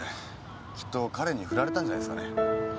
きっと彼に振られたんじゃないですかね。